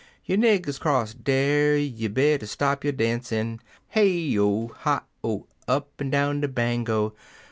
You niggers 'cross dar! you better slop yo' danc in" — (Hey O! Hi O! Up'n down de Bango!)